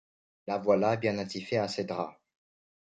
La voilà bien attifée en ses draps.